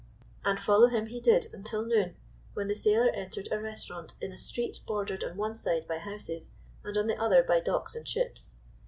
And follow him he did until noon, when the sailor entered a restaurant in a street bordered on one side by houses, and on the other by docks and ships.